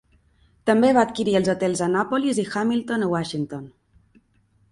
També va adquirir els hotels Annapolis i Hamilton a Washington.